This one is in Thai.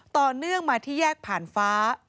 ต่อเนื่องมาที่แยกผ่านฟ้า